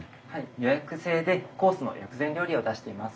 予約制でコースの薬膳料理を出しています。